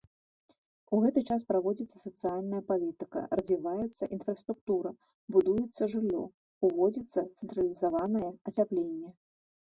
У гэты час праводзіцца сацыяльная палітыка, развіваецца інфраструктура, будуецца жыллё, уводзіцца цэнтралізаванае ацяпленне.